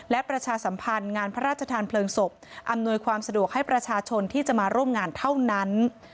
และประชาสัมพันธ์งานพระราชทานเพลิงศพอำนวยความสะดวกให้ประชาชนที่จะมาร่วมงานเท่านั้น